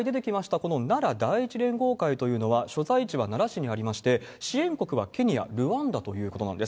この奈良第１連合会というのは、所在地は奈良市にありまして、支援国はケニア、ルワンダということなんです。